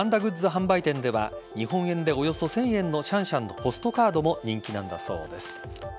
販売店では日本円でおよそ１０００円のシャンシャンのポストカードも人気なんだそうです。